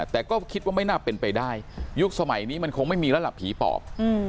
แต่ก็คิดว่าไม่น่าเป็นไปได้ยุคสมัยนี้มันคงไม่มีแล้วล่ะผีปอบ